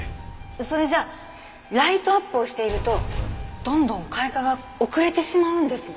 それじゃライトアップをしているとどんどん開花が遅れてしまうんですね。